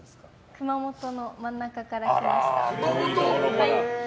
熊本の真ん中から来ました。